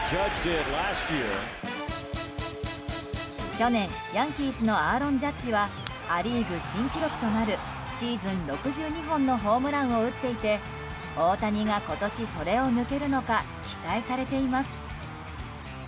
去年、ヤンキースのアーロン・ジャッジはア・リーグ新記録となるシーズン６２本のホームランを打っていて大谷が今年、それを抜けるのか期待されています。